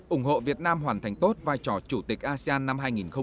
ủng hộ việt nam hoàn thành tốt vai trò chủ tịch asean năm hai nghìn hai mươi